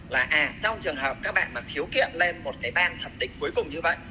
là à trong trường hợp các bạn mà khiếu kiện lên một cái ban thẩm định cuối cùng như vậy